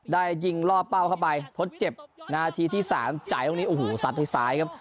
ได้ยิงล่อเป้าเข้าไปทดเจ็บนาทีที่สามจ่ายตรงนี้โอ้โหซัดที่ซ้ายครับ